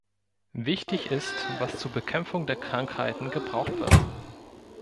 Wichtig ist, was zur Bekämpfung der Krankheiten gebraucht wird.